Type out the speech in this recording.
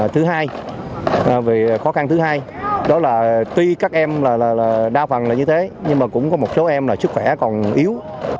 thứ hai về khó khăn thứ hai đó là tuy các em đa phần là như thế nhưng mà cũng có một số em là sức khỏe còn yếu